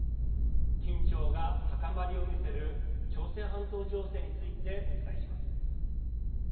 緊張が高まりを見せる朝鮮半島情勢についてお伝えします。